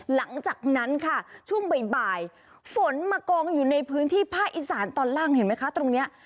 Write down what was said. หลังจากนั้นค่ะช่วงบ่ายฝนมากองอยู่ในพื้นที่ภาคอีสานตอนล่างเห็นไหมคะตรงนี้